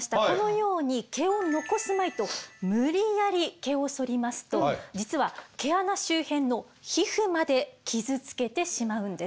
このように毛を残すまいと無理やり毛をそりますと実は毛穴周辺の皮膚まで傷つけてしまうんです。